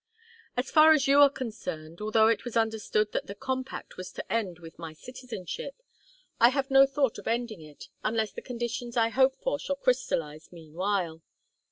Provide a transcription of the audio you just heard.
As far as you are concerned, although it was understood that the compact was to end with my citizenship, I have no thought of ending it unless the conditions I hope for shall crystallize meanwhile.